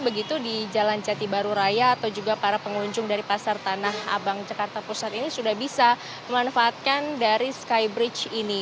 begitu di jalan jati baru raya atau juga para pengunjung dari pasar tanah abang jakarta pusat ini sudah bisa memanfaatkan dari skybridge ini